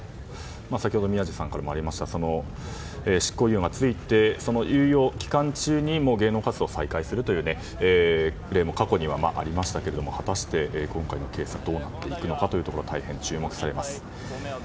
先ほど宮司さんからありました執行猶予が付いてその猶予期間中に芸能活動を再開するという例は過去にもありましたけれども今回のケースはどうなるのかが大変、注目されます。